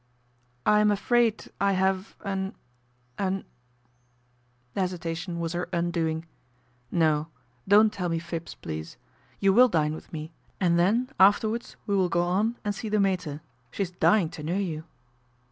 " I am afraid I have an an " The hesitation was her undoing. " No ; don't tell me fibs, please. You will dine with me and then, afterwards, we will go on and see the mater. She is dying to know you."